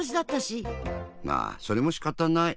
まあそれもしかたない。